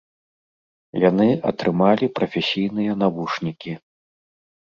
Яны атрымалі прафесійныя навушнікі.